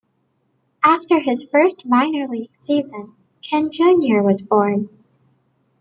After his first minor-league season, Ken Junior was born.